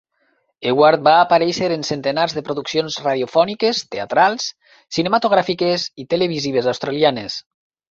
Ewart va aparèixer en centenars de produccions radiofòniques, teatrals, cinematogràfiques i televisives australianes.